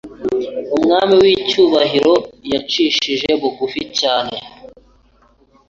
Umwami w'icyubahiro yicishije bugufi cyane